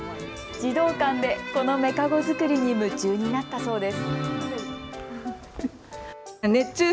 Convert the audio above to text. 児童館でこのめかご作りに夢中になったそうです。